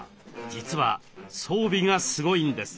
実は装備がすごいんです。